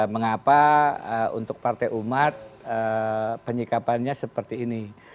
mengapa untuk partai umat penyikapannya seperti ini